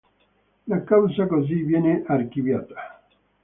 La causa così viene archiviata.